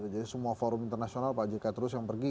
jadi semua forum internasional pak jk terus yang pergi